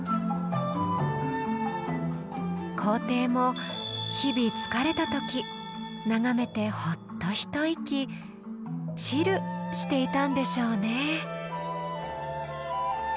皇帝も日々疲れた時眺めてほっと一息「チル」していたんでしょうね。